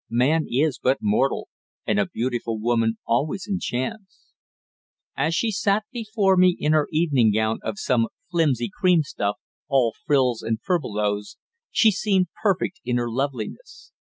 Man is but mortal, and a beautiful woman always enchants. As she sat before me in her evening gown of some flimsy cream stuff, all frills and furbelows, she seemed perfect in her loveliness.